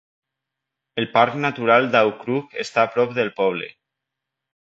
El parc natural d'Aukrug està a prop del poble.